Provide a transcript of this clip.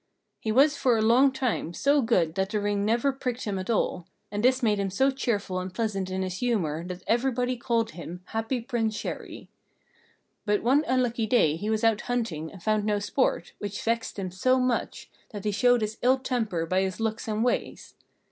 He was for a long time so good that the ring never pricked him at all; and this made him so cheerful and pleasant in his humour that everybody called him "Happy Prince Chéri." But one unlucky day he was out hunting and found no sport, which vexed him so much that he showed his ill temper by his looks and ways.